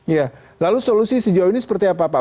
ya lalu solusi sejauh ini seperti apa pak